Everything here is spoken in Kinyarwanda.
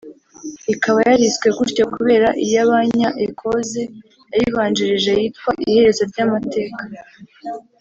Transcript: ikaba yariswe gutyo kubera iy’abanya Ecosse yayibanjirije yitwa “ Iherezo ry’Amateka”